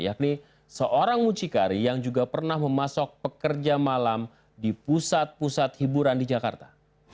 yakni seorang mucikari yang juga pernah memasok pekerja malam di pusat pusat hiburan di jakarta